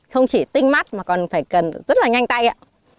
không chỉ tinh mắt mà còn phải cần rất là nhanh tay ạ